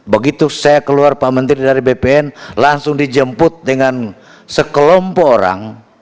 begitu saya keluar pak menteri dari bpn langsung dijemput dengan sekelompok orang